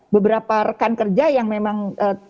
beberapa rekan kerja yang memang berada di daerah tersebut